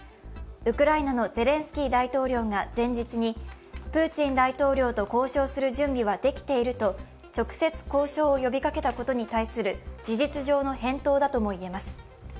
ウクライナのゼレンスキー大統領が前日に、プーチン大統領と交渉する準備はできていると、直接交渉を呼びかけたことに対する事実上の返答だともいえます。